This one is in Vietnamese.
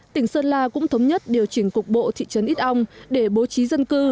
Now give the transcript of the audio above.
tỉnh sơn la cũng thống nhất điều chỉnh cục bộ thị trấn ít ong để bố trí dân cư